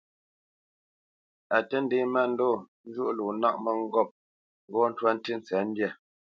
A tə́ ndě mándɔ njwóʼ lo nâʼ mə̂ŋgôp ŋgɔ́ ntwá ntí ntsəndyâ.